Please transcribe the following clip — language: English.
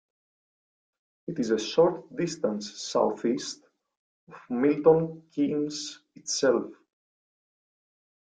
It is a short distance south east of Milton Keynes itself.